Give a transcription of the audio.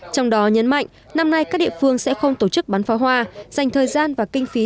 trong đó nhấn mạnh năm nay các địa phương sẽ không tổ chức bắn pháo hoa dành thời gian và kinh phí